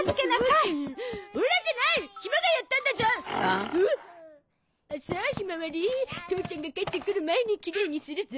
ううっ！さあひまわり父ちゃんが帰ってくる前にきれいにするゾ。